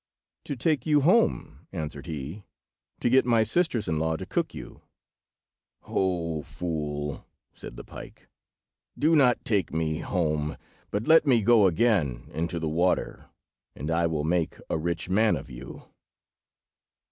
"To take you home," answered he, "to get my sisters in law to cook you." "Ho, fool!" said the pike; "do not take me home, but let me go again into the water, and I will make a rich man of you."